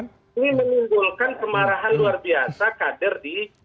ini menimbulkan kemarahan luar biasa kader di